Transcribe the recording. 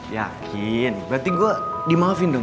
yakin berarti gue dimaafin dong